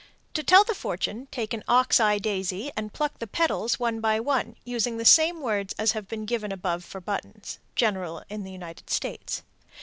To tell the fortune, take an "ox eye daisy," and pluck the "petals" one by one, using the same words as have been given above for buttons. _General in the United States.